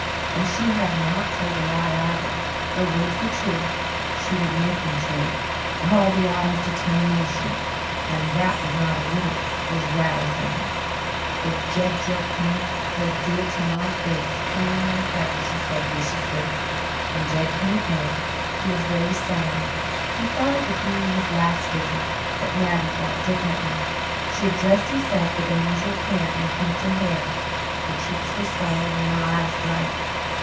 And she had not told a lie either. Her words were true; she would make them true. All the Adams determination and that was not a little was roused in her. "If Jed jilts me, he'll do it to my face, clean and clever," she said viciously. When Jed came again he was very solemn. He thought it would be his last visit, but Mattie felt differently. She had dressed herself with unusual care and crimped her hair. Her cheeks were scarlet and her eyes bright.